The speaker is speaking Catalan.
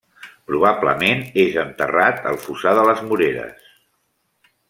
Probablement és enterrat al Fossar de les Moreres.